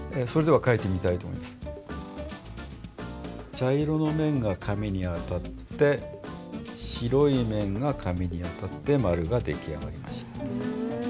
茶色の面が紙に当たって白い面が紙に当たって丸が出来上がりました。